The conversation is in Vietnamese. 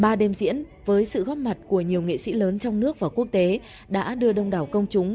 ba đêm diễn với sự góp mặt của nhiều nghệ sĩ lớn trong nước và quốc tế đã đưa đông đảo công chúng